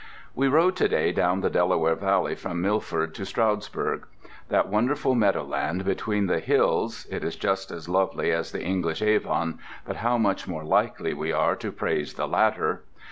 We rode to day down the Delaware Valley from Milford to Stroudsburg. That wonderful meadowland between the hills (it is just as lovely as the English Avon, but how much more likely we are to praise the latter!)